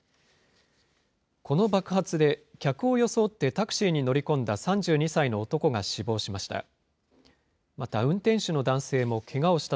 この爆発で、客を装ってタクシーに乗り込んだ３２歳の男が死亡しました。